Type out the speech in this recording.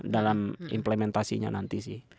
dalam implementasinya nanti sih